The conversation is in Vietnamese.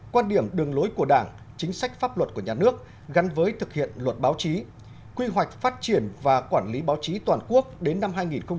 quan điểm đường lối của đảng chính sách pháp luật của nhà nước gắn với thực hiện luật báo chí quy hoạch phát triển và quản lý báo chí toàn quốc đến năm hai nghìn ba mươi